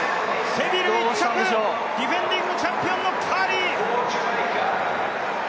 セビル１着、ディフェンディングチャンピオンのカーリー。